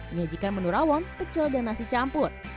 menyajikan menu rawon pecel dan nasi campur